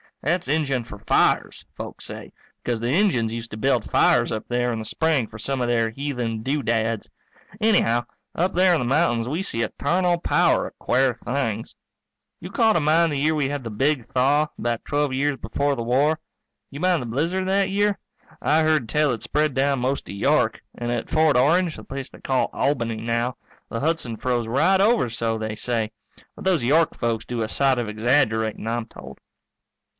That's Injun for fires, folks say, because the Injuns used to build fires up there in the spring for some of their heathen doodads. Anyhow, up there in the mountains we see a tarnal power of quare things. You call to mind the year we had the big thaw, about twelve years before the war? You mind the blizzard that year? I heard tell it spread down most to York. And at Fort Orange, the place they call Albany now, the Hudson froze right over, so they say. But those York folks do a sight of exaggerating, I'm told.